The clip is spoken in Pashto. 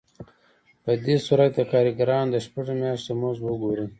په دې صورت کې د کارګرانو د شپږو میاشتو مزد وګورئ